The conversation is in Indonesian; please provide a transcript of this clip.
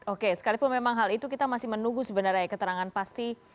oke sekalipun memang hal itu kita masih menunggu sebenarnya keterangan pasti